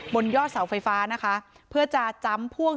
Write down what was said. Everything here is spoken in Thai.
บนยอดเสาไฟฟ้านะคะเพื่อจะจำพ่วง